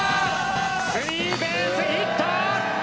スリーベースヒット！